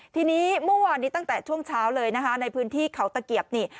ทีนี้เมื่อวานนี้ตั้งแต่ช่วงเช้าเลยนะคะในพื้นที่เขาตะเกียบนี่